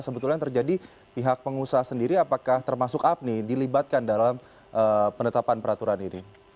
sebetulnya yang terjadi pihak pengusaha sendiri apakah termasuk apni dilibatkan dalam penetapan peraturan ini